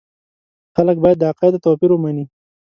خلک باید د عقایدو توپیر ومني.